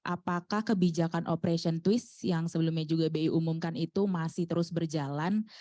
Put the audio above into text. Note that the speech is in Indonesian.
apakah kebijakan operation twist yang sebelumnya juga bi umumkan itu masih terus berjalan